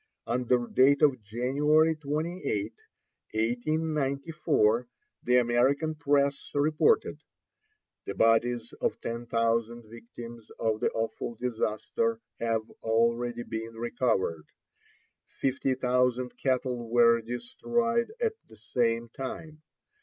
Under date of January 28, 1894, the American press reported: "The bodies of ten thousand victims of the awful disaster have already been recovered. Fifty thousand cattle were destroyed at the same time.